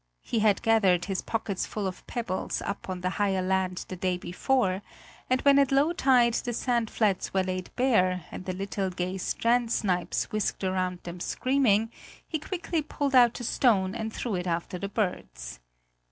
He had gathered his pockets full of pebbles up on the higher land the day before, and when at low tide the sand flats were laid bare and the little gay strand snipes whisked across them screaming, he quickly pulled out a stone and threw it after the birds.